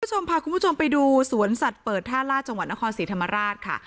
คุณผู้ชมพาคุณผู้ชมไปดูสวนสัตว์เปิดท่าล่าจังหวัดนครศรีธรรมราชค่ะ